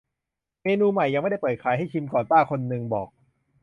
"เมนูใหม่ ยังไม่ได้เปิดขาย ให้ชิมก่อน" ป้าคนนึงบอก